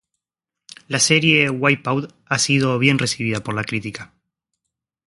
La serie "Wipeout" ha sido bien recibida por la crítica.